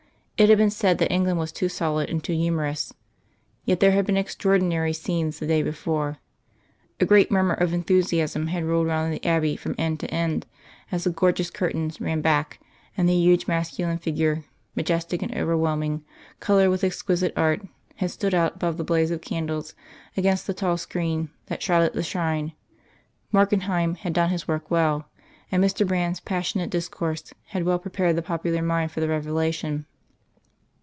It had been said that England was too solid and too humorous. Yet there had been extraordinary scenes the day before. A great murmur of enthusiasm had rolled round the Abbey from end to end as the gorgeous curtains ran back, and the huge masculine figure, majestic and overwhelming, coloured with exquisite art, had stood out above the blaze of candles against the tall screen that shrouded the shrine. Markenheim had done his work well; and Mr. Brand's passionate discourse had well prepared the popular mind for the revelation.